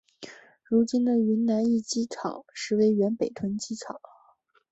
如今的云南驿机场实为原北屯机场。